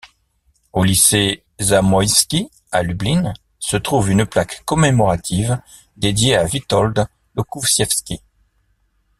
Au lycée Zamoyski à Lublin se trouve une plaque commémorative dédiée à Witold Łokuciewski.